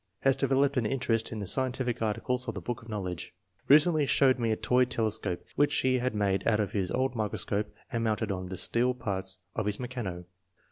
Has developed an interest in the scientific articles in the Book of Knowledge. Re cently showed me a toy telescope which he had made out of his old miscroscope and mounted on the steel parts of his mechano.